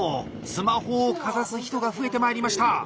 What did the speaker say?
スマホをかざす人が増えてまいりました。